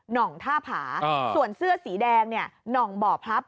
หน่องท่าผาอ่าส่วนเสื้อสีแดงเนี่ยหน่องบอบครับ